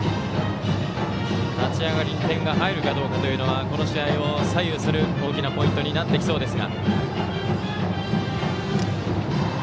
立ち上がりに点が入るかどうかはこの試合を左右する大きなポイントになってきそうです。